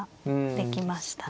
できましたね。